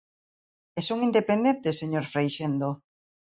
E son independentes, señor Freixendo.